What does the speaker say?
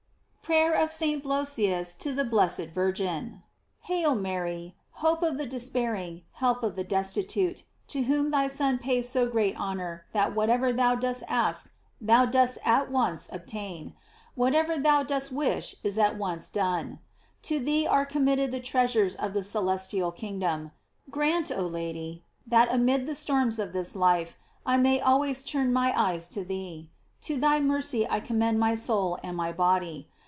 * PRAYER OF ST. BLOSIUS TO THE BLESSED VIRGIN. HAIL, Mary, hope of the despairing, help of the destitute, to whom thy Son pays so great honor that whatever thou dost ask thou dost at * Ex offic. praed. et Diar. 7, mart. 782 GLORIES OF MARY. once obtain, whatever thou dost wish is at once done. To thee are committed the treasures of the celestial kingdom. Grant, oh Lady, that amid the storms of this life, I may always turn my eyes to thee. To thy mercy I commend my soul and my body.